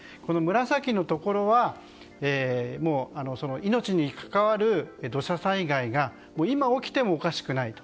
紫のところは命に関わる土砂災害が今起きてもおかしくないと。